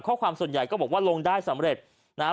ข้อความส่วนใหญ่ก็บอกว่าลงได้สำเร็จนะฮะ